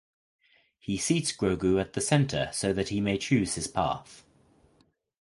He seats Grogu at the center so that he may choose his path.